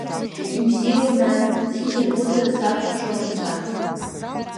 Ибзиоуп нас, зхьышьаргәыҵа сакәыхшоу Анцәа.